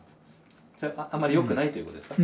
あんまりよくないということですか？